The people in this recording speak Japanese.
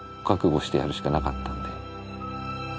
覚悟してやるしかなかったので。